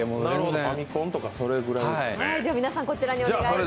ファミコンとかそれぐらいですね。